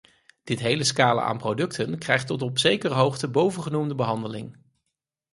Dit hele scala aan producten krijgt tot op zekere hoogte bovengenoemde behandeling.